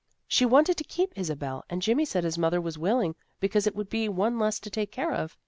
She wanted to keep Isabel, and Jimmy said his mother was willing, because it would be one less to take care of.